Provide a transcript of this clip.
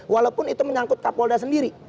walaupun itu menyangkut kapolda sendiri